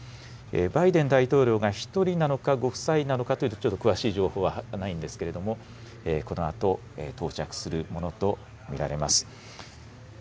バイデン大統領が１人なのかご夫妻なのかという、ちょっと詳しい情報は入っていないんですけれども、このあと、到着するものと見られます。